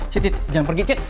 cip cip jangan pergi cit